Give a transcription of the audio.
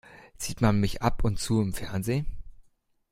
Sieht man mich ab und zu im Fernsehen?